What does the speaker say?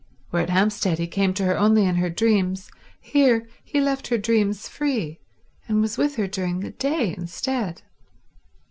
Where at Hampstead he came to her only in her dreams, here he left her dreams free and was with her during the day instead.